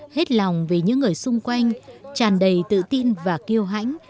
hết lòng vì những người xung quanh tràn đầy tự tin và kêu hãnh